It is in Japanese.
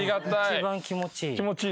一番気持ちいい。